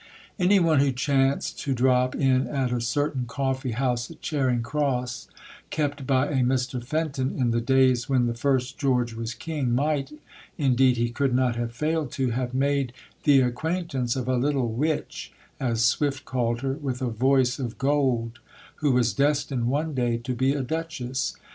Any one who chanced to drop in at a certain coffee house at Charing Cross, kept by a Mr Fenton, in the days when the first George was King, might indeed, he could not have failed to have made the acquaintance of a "little witch" (as Swift called her) with a voice of gold, who was destined one day to be a Duchess.